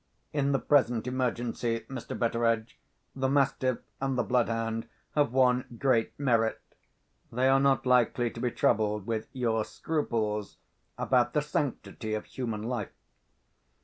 In the present emergency, Mr. Betteredge, the mastiff and the bloodhound have one great merit—they are not likely to be troubled with your scruples about the sanctity of human life."